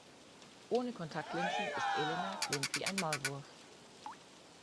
Ohne Kontaktlinsen ist Elena blind wie ein Maulwurf.